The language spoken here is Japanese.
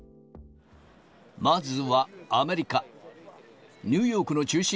まずはアメリカ。